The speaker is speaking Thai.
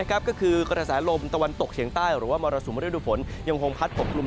ก็คือกระแสลมตะวันตกเฉียงใต้หรือว่ามรสุมฤดูฝนยังคงพัดปกกลุ่ม